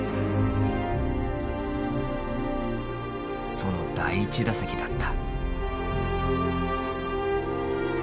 その第１打席だった。